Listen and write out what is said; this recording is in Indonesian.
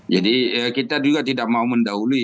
jadi kita juga tidak mau mendahului